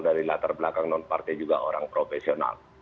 dari latar belakang non partai juga orang profesional